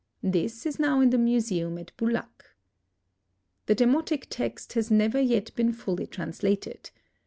This is now in the museum at Boulak. The demotic text has never yet been fully translated.